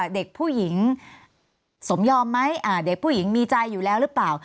เด็กผู้หญิงสมยอมไหมเด็กผู้หญิงมีใจอยู่แล้วหรือเปล่า